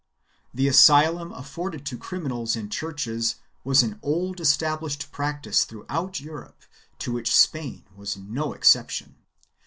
The asylum afforded to criminals in churches was an old established practice throughout Europe to which Spain was no exception.